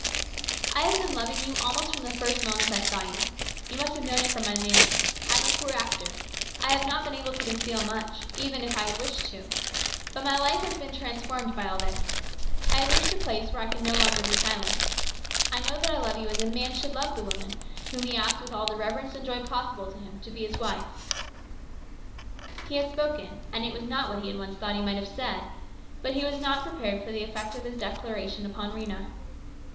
" I have been loving you almost from the first moment I saw you. You must have known it from my manner. I am a poor actor. I have not been able to conceal much, even if I had wished to. But my life has been transformed by all this. I have reached the place where I can no longer be silent. I know that I love you as a man should love the woman whom he asks with all the reverence and joy possible to him to be his wife." He had spoken, and it was not what he had once thought he might have said. But he was not prepared for the effect of his declaration upon Rhena.